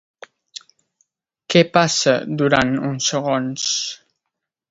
Què passa durant uns segons?